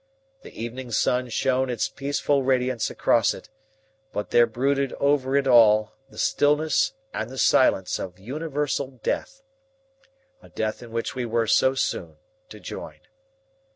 The evening sun shone its peaceful radiance across it, but there brooded over it all the stillness and the silence of universal death a death in which we were so soon to join.